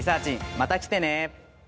また来てね